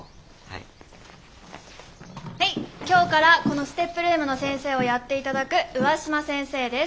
今日からこのＳＴＥＰルームの先生をやっていただく上嶋先生です。